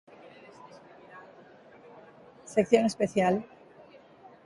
Sección especial.